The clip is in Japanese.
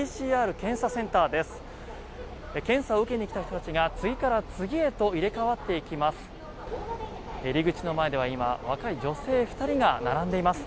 検査を受けに来た人たちが次から次へと入れ替わっていきます。